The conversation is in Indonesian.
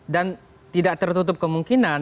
dan tidak tertutup kemungkinan